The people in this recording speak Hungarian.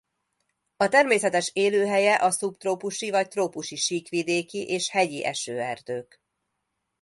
A természetes élőhelye a szubtrópusi vagy trópusi síkvidéki és hegyi esőerdők.